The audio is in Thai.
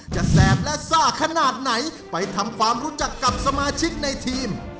แสบและซ่าขนาดไหนไปทำความรู้จักกับสมาชิกในทีม